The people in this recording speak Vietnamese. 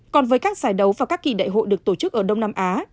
còn với các giải đấu và các kỳ đại hội được tổ chức ở đông nam á